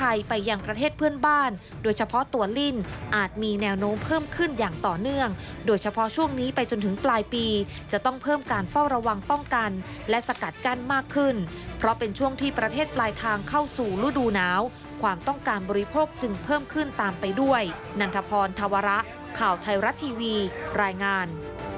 ไปยังประเทศเพื่อนบ้านโดยเฉพาะตัวลิ่นอาจมีแนวโน้มเพิ่มขึ้นอย่างต่อเนื่องโดยเฉพาะช่วงนี้ไปจนถึงปลายปีจะต้องเพิ่มการเฝ้าระวังป้องกันและสกัดกั้นมากขึ้นเพราะเป็นช่วงที่ประเทศปลายทางเข้าสู่ฤดูหนาวความต้องการบริโภคจึงเพิ่มขึ้นตามไปด้วยนันทพรธวระข่าวไทยรัฐทีวีรายงาน